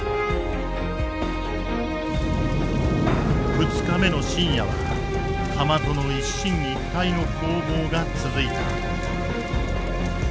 ２日目の深夜は釜との一進一退の攻防が続いた。